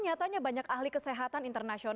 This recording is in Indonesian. apa kabar dok